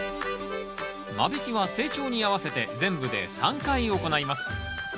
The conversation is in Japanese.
間引きは成長に合わせて全部で３回行います。